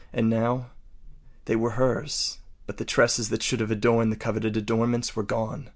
And now, they were hers, but the tresses that should have adorned the coveted adornments were gone.